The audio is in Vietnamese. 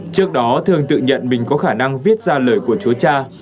trước đó thương tự nhận mình có khả năng viết ra lời của chúa cha